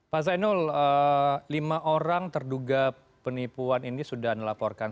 pak zainul lima orang terduga penipuan ini sudah dilaporkan